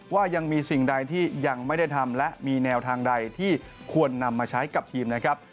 ว่ายังมีสิ่งใดที่ยังไม่ได้ทำและมีแนวทางใดที่ควรนำมาใช้กับทีมนะครับ